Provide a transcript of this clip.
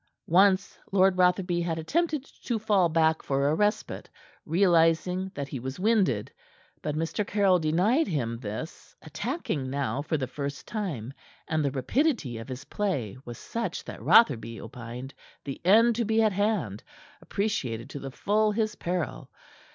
Once Lord Rotherby had attempted to fall back for a respite, realizing that he was winded. But Mr. Caryll denied him this, attacking now for the first time, and the rapidity of his play was such that Rotherby opined the end to be at hand, appreciated to the full his peril.